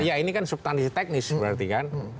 ya ini kan subtansi teknis berarti kan